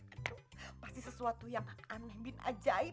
aduh pasti sesuatu yang aneh bin ajaib